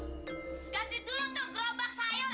ganti dulu tuh gerobak sayur sama